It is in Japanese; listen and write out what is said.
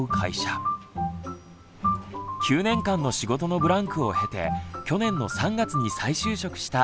９年間の仕事のブランクを経て去年の３月に再就職した菅沼さんです。